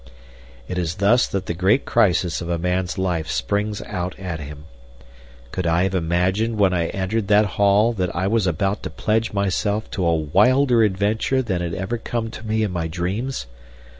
It is thus that the great crisis of a man's life springs out at him. Could I have imagined when I entered that hall that I was about to pledge myself to a wilder adventure than had ever come to me in my dreams?